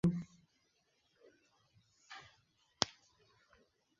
তাঁর প্রথম বৈজ্ঞানিক গবেষণাপত্র, অবজারভেশনস অন।